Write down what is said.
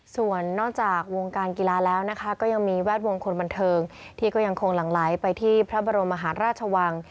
ส่วนนอกจากวงการกีฬาแล้วนะคะก็ยังมีแวดวงคนบันเทิงที่ก็ยังคงหลั่งไหลไปที่พระบรมมหาราชวัง